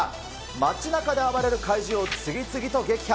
街なかで暴れる怪獣を次々と撃破。